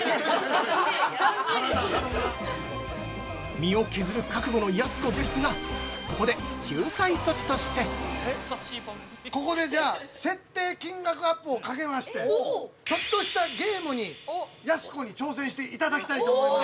身を削る覚悟のやす子ですが、ここで救済措置として◆ここで、じゃあ、設定金額アップをかけまして、ちょっとしたゲームにやす子に挑戦していただきたいと思います。